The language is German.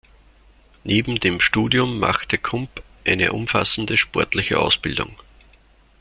Neben dem Studium machte Kump eine umfassende sportliche Ausbildung.